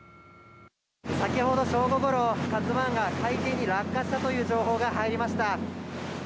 先ほど、正午ごろ「ＫＡＺＵ１」が海底に落下したという情報が入りました。